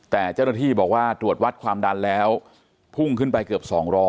แต่เจ้าหน้าที่บอกว่าตรวจวัดความดันแล้วพุ่งขึ้นไปเกือบ๒๐๐